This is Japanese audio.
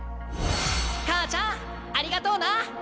母ちゃんありがとうな！